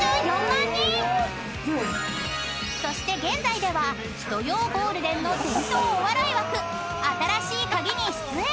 ［そして現在では土曜ゴールデンの伝統お笑い枠『新しいカギ』に出演］